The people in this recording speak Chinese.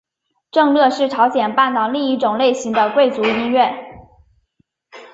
正乐是朝鲜半岛另一种类型的贵族音乐。